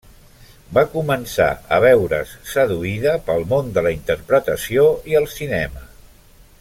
Va començar a veure's seduïda pel món de la interpretació i el cinema.